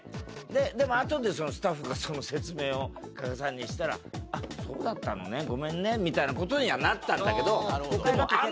でもあとでスタッフがその説明を加賀さんにしたら「あっそうだったのねごめんね」みたいな事にはなったんだけど。